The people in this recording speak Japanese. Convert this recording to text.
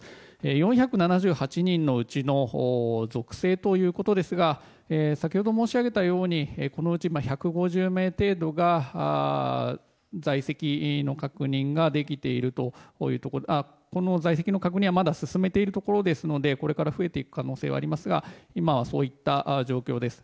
４７８人のうちの属性ということですが先ほど申し上げたようにこのうち１５０名程度が在籍の確認はまだ進めているところですのでこれから増えていく可能性はありますが今はそういった状況です。